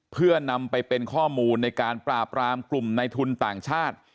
เพื่อนำไปเป็นข้อมูลในการปราบรามกลุ่มในทุนต่างชาติ